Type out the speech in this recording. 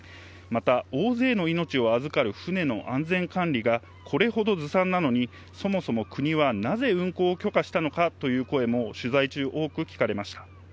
また、大勢の命を預かる船の安全管理がこれほどずさんなのに、そもそも国はなぜ運航を許可したのかという声も、取材中、多く聞かれました。